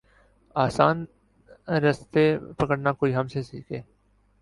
آسان راستے پکڑنا کوئی ہم سے سیکھے۔